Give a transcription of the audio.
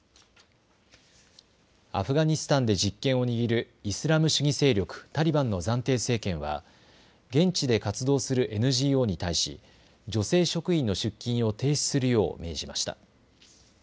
アフガニスタンで実権を握るイスラム主義勢力タリバンの暫定政権は現地で活動するＮＧＯに対し女性職員の出勤を停止するよう命じました。